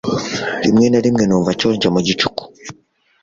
Rimwe na rimwe numva nshonje mu gicuku